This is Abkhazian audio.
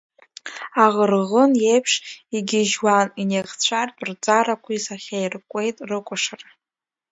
Аӷырӷын еиԥш игьежьуан, инеихҵәартә рӡарақәа, исахьаиркуеит рыкәашара.